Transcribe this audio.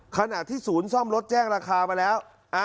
ขณะที่ศูนย์ซ่อมรถแจ้งราคามาแล้ว